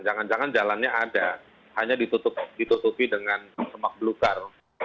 jangan jangan jalannya ada hanya ditutupi dengan semak belukar